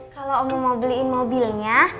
kalau kamu mau beliin mobilnya